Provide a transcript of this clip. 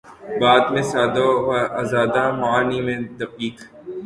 بات میں سادہ و آزادہ، معانی میں دقیق